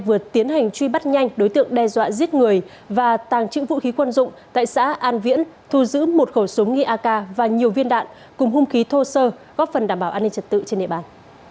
vừa tiến hành truy bắt nhanh đối tượng đe dọa giết người và tàng trữ vũ khí quân dụng tại xã an viễn thu giữ một khẩu súng nghi ak và nhiều viên đạn cùng hung khí thô sơ góp phần đảm bảo an ninh trật tự trên địa bàn